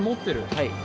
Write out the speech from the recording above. はい。